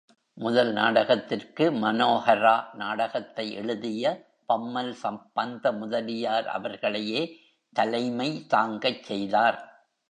முதல் நாடகத்திற்கு மனோஹரா நாடகத்தை எழுதிய பம்மல் சம்பந்த முதலியார் அவர்களையே தலைமை தாங்கச் செய்தார்.